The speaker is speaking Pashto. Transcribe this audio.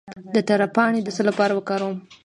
د تره پاڼې د څه لپاره وکاروم؟